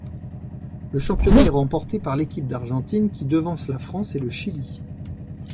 Le championnat est remporté par l'équipe d'Argentine qui devance la France et le Chili.